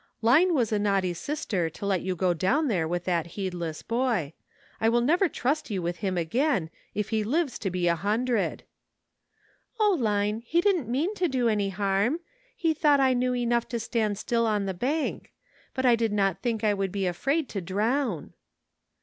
"Line was a naughty sister to let you go down there with that heed less boy. I will never trust you with him again, if he lives to be a hundred." ^'Q, I^iqel hp didp't pie^n to do any harm. 38 SOMETHING TO REMEMBER. He thought I knew enough to stand still on the bank. But I did not think I would be afraid to drown."